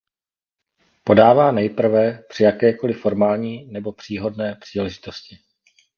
Podává nejprve při jakékoli formální nebo příhodné příležitosti.